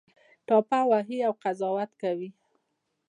ټاپه وهي او قضاوت کوي